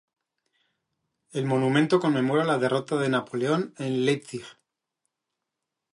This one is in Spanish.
El monumento conmemora la derrota de Napoleón en Leipzig.